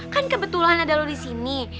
kan kebetulan ada lo di sini